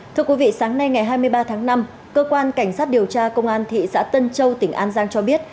thưa quý vị sáng nay ngày hai mươi ba tháng năm cơ quan cảnh sát điều tra công an thị xã tân châu tỉnh an giang cho biết